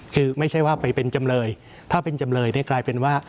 คือไม่ใช่ว่าไปเป็นจำเลยถ้าเป็นจำเลยเนี่ยกลายเป็นว่า